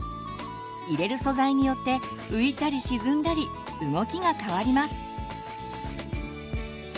入れる素材によって浮いたり沈んだり動きが変わります。